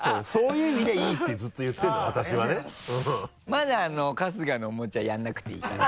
まだ春日のおもちゃやらなくていいから。